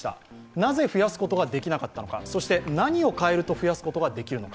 なぜ増やすことができなかったのか、そして何を変えると増やすことができるのか。